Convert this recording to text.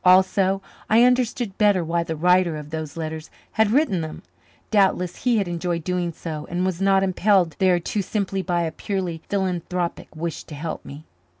Also, I understood better why the writer of those letters had written them. Doubtless he had enjoyed doing so and was not impelled thereto simply by a purely philanthropic wish to help me.